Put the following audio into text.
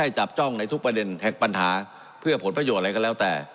จับจ้องในทุกประเด็นแห่งปัญหาเพื่อผลประโยชน์อะไรก็แล้วแต่